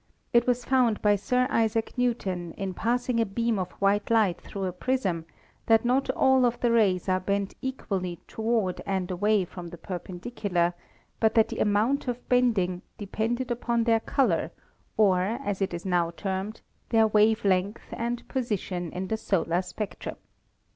It was found by Sir Isaac New ton in passing a beam of white light through a prism that not all of the rays are bent equally toward and away from the perpendicular, but that the amount of bending de pended upon their color, or as it is now termed, their wave length and position in the solar spectrum.